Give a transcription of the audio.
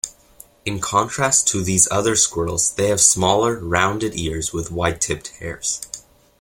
In contrast to these other squirrels, they have smaller rounded ears with white-tipped hairs.